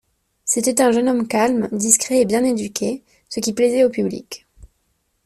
C'était un jeune homme calme, discret et bien éduqué, ce qui plaisait au public.